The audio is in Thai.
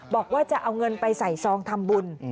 บอกว่าจะเอาเงินไปใส่ซองทำบุญ